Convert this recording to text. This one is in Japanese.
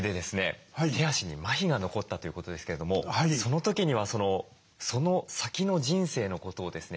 手足にまひが残ったということですけれどもその時にはその先の人生のことをですね